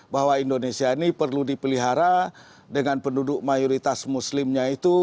bahwa indonesia ini perlu dipelihara dengan penduduk mayoritas muslimnya itu